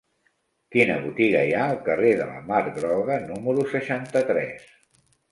Quina botiga hi ha al carrer de la Mar Groga número seixanta-tres?